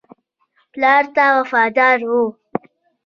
پلار ته وفادار وو.